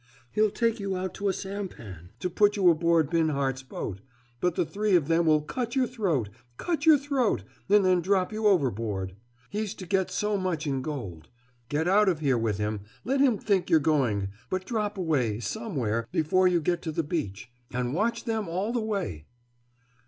He'll take you out to a sampan, to put you aboard Binhart's boat. But the three of them will cut your throat, cut your throat, and then drop you overboard. He's to get so much in gold. Get out of here with him. Let him think you're going. But drop away, somewhere, before you get to the beach. And watch them all the way."